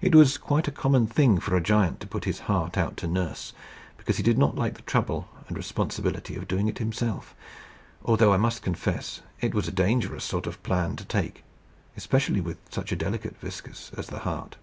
It was quite a common thing for a giant to put his heart out to nurse, because he did not like the trouble and responsibility of doing it himself; although I must confess it was a dangerous sort of plan to take, especially with such a delicate viscus as the heart.